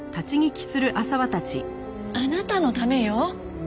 あなたのためよ。